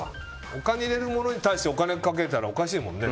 お金を入れるものに対してお金をかけたらおかしいもんね。